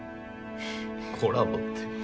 コラボって。